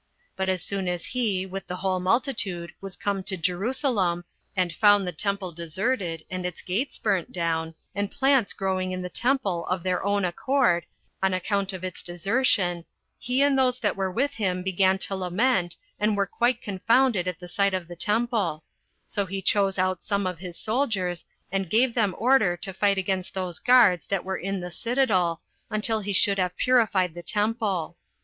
But as soon as he, with the whole multitude, was come to Jerusalem, and found the temple deserted, and its gates burnt down, and plants growing in the temple of their own accord, on account of its desertion, he and those that were with him began to lament, and were quite confounded at the sight of the temple; so he chose out some of his soldiers, and gave them order to fight against those guards that were in the citadel, until he should have purified the temple.